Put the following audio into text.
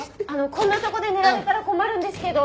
こんなとこで寝られたら困るんですけど！